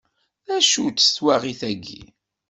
D acu-tt twaɣit-agi?